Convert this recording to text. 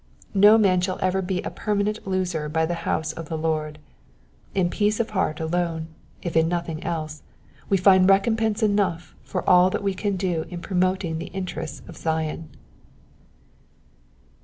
No man sshall ever be a permanent loser by the house of the Lord : in peace of heart alone, if in nothing else, we find recompense enough for all that we can do in promoting the interests of Zion.